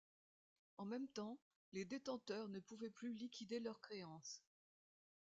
En même temps, les détenteurs ne pouvaient plus liquider leur créance.